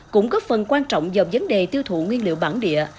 cũng góp phần quan trọng dòng vấn đề tiêu thụ nguyên liệu bản địa